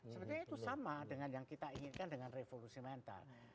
sebenarnya itu sama dengan yang kita inginkan dengan revolusi mental